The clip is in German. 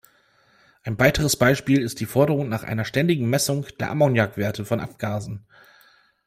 Ein weiteres Beispiel ist die Forderung nach einer ständigen Messung der Ammoniakwerte von Abgasen.